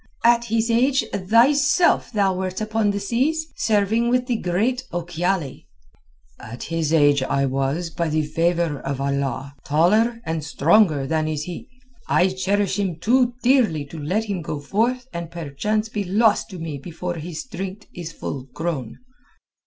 "At his age thyself thou wert upon the seas, serving with the great Ochiali." "At his age I was, by the favour of Allah, taller and stronger than is he. I cherish him too dearly to let him go forth and perchance be lost to me before his strength is full grown."